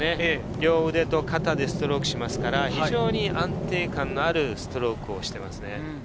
両腕と肩でストロークしますから、非常に安定感のあるストロークをしていますね。